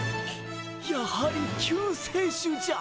やはり救世主じゃ！